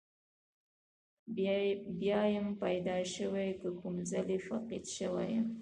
بیا یم پیدا شوی که کوم ځلې فقید شوی یم.